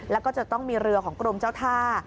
แล้วก็จะต้องมีเรือของกรมเจ้าท่า